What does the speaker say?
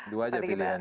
dua saja pilihannya